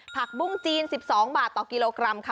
ผักบุ้งจีน๑๒บาทต่อกิโลกรัมค่ะ